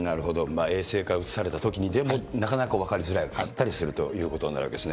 衛星からうつされたときにでもなかなか分かりづらかったりするということになるわけですね。